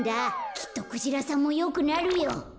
きっとクジラさんもよくなるよ。